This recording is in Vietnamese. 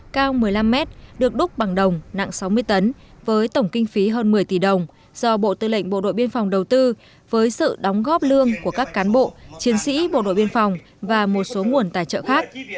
cao một mươi năm mét được đúc bằng đồng nặng sáu mươi tấn với tổng kinh phí hơn một mươi tỷ đồng do bộ tư lệnh bộ đội biên phòng đầu tư với sự đóng góp lương của các cán bộ chiến sĩ bộ đội biên phòng và một số nguồn tài trợ khác